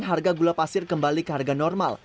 harga gula pasir kembali ke harga normal